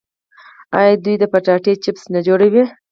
آیا دوی د کچالو چپس نه جوړوي؟